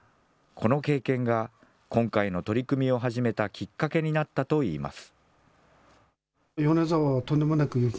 この経験が、今回の取り組みを始めたきっかけになったといいます。